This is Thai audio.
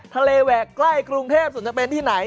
ทะเลแหวกใกล้กรุงเทพฯสนใจเป็นที่ไหน